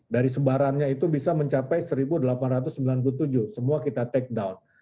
dari sebarannya itu bisa mencapai satu delapan ratus sembilan puluh tujuh semua kita take down